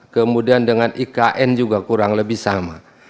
kemudian dengan ikn juga kurang lebih sama